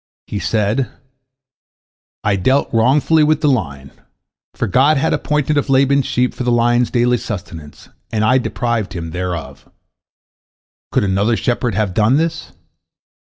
He said: "I dealt wrongfully with the lion, for God had appointed of Laban's sheep for the lion's daily sustenance, and I deprived him thereof. Could another shepherd have done thus?